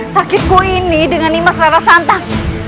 sakitku ini dengan ni mas rara santong